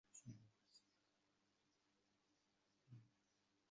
আবার ঐ বাটী অতি প্রাচীন ও জীর্ণ।